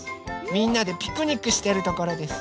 みんなでピクニックしてるところです。